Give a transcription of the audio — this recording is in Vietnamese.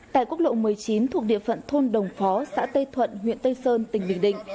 tại quốc lộ một mươi chín thuộc địa phận thôn đồng phó xã tây thuận huyện tây sơn tỉnh bình định